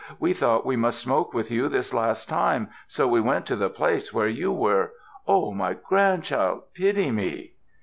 We thought we must smoke with you this last time, so we went to the place where you were. Oh! My grandchild, pity me."